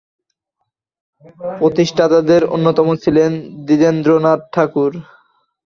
প্রতিষ্ঠাতাদের অন্যতম ছিলেন দ্বিজেন্দ্রনাথ ঠাকুর।